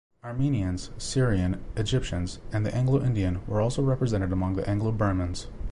Armenians, Syrian, Egyptians and the Anglo-Indian were also represented among Anglo-Burmans.